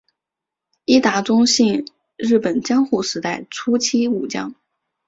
伊达宗信日本江户时代初期武将。